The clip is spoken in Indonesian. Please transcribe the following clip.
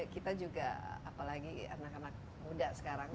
kita juga apalagi anak anak muda sekarang